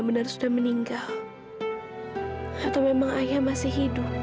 mas rudri ini gimana sih